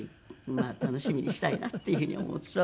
まあ楽しみにしたいなっていうふうに思って。